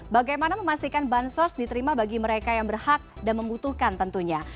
bagaimana memastikan bansos diterima bagi mereka yang berhak dan membutuhkan tentunya